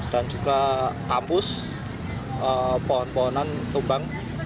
dan juga kampus pohon pohonan tumbang